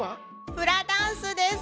フラダンスです！